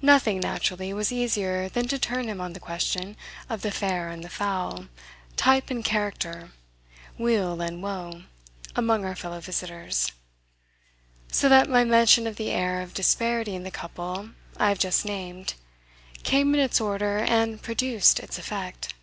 Nothing, naturally, was easier than to turn him on the question of the fair and the foul, type and character, weal and woe, among our fellow visitors; so that my mention of the air of disparity in the couple I have just named came in its order and produced its effect.